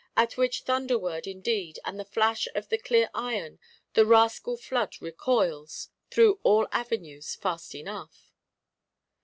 '—at which thunder word, indeed, and the flash of the clear iron, the Rascal flood recoils, through all avenues, fast enough.